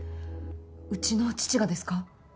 うちの父がですか？